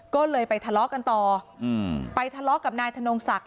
ก็เลยไปทะเลาะกันต่อไปทะเลาะกับนายธนงศักดิ